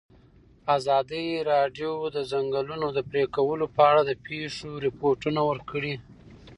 ازادي راډیو د د ځنګلونو پرېکول په اړه د پېښو رپوټونه ورکړي.